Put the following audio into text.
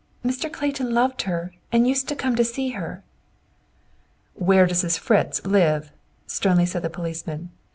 Mr. Clayton loved her, and used to come and see her." "Where does this Fritz live?" sternly said the policeman.